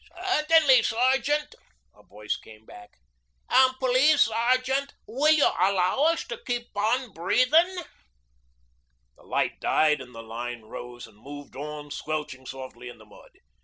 'Certainly, sergeant,' a voice came back. 'An' please sergeant, will you allow us to keep on breathin'?' The light died, and the line rose and moved on, squelching softly in the mud.